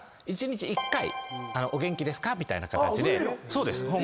そうです。